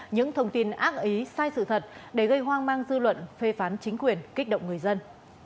những thông tin ác ý sai sự thật để gây hoang mang dư luận phê phán chính quyền kích động người dân